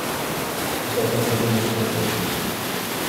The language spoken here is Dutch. Is dat nog wel binnen de proporties?